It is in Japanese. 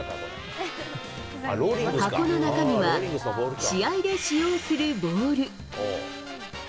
箱の中身は、試合で使用するボール。